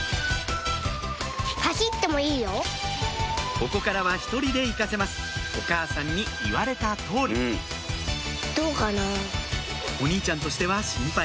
ここからは１人で行かせますお母さんに言われた通りお兄ちゃんとしては心配